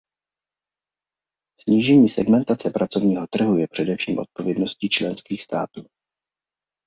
Snížení segmentace pracovního trhu je především odpovědností členských států.